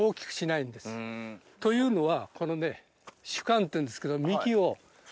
というのは。